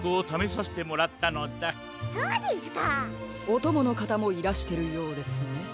おとものかたもいらしてるようですね。